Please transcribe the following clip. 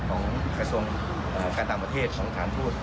ของกระทรวงการต่ำประเทศของสภาห์พูด